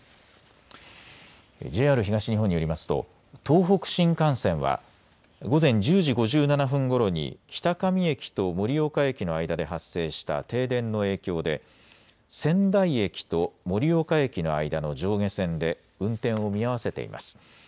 ＪＲ東日本によりますと東北新幹線は午前１０時５７分ごろに北上駅と盛岡駅の間で発生した停電の影響で仙台駅と盛岡駅の間の上下線で運転を見合わせています。